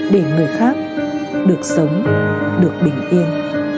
để người khác được sống được bình yên